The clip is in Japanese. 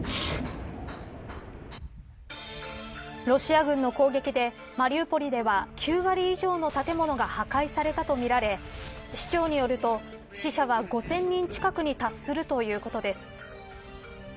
ロシア軍の攻撃でマリウポリでは９割以上の建物が破壊されたとみられ市長によると死者は５０００人近くに達するということです。